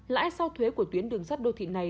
lãi sau thuế của tuyến đường sắt đô thị này